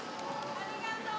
・ありがとう！